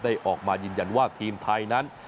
ออกมายืนยันว่าทีมไทยนั้น